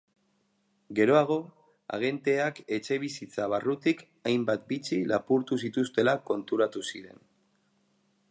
Geroago, agenteak etxebizitza barrutik hainbat bitxi lapurtu zituztela konturatu ziren.